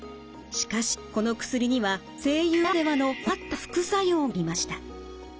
しかしこの薬には声優ならではの困った副作用がありました。